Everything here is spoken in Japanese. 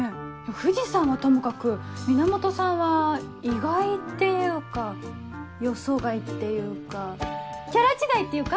藤さんはともかく源さんは意外っていうか予想外っていうかキャラ違いっていうか。